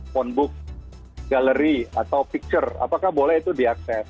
phone book gallery atau picture apakah boleh itu diakses